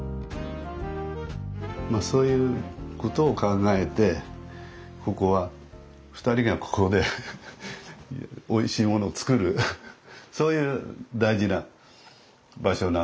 まあそういうことを考えてここは２人がここでおいしいものを作るそういう大事な場所なんですね。